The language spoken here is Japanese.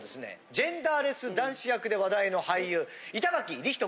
ジェンダーレス男子役で話題の俳優板垣李光人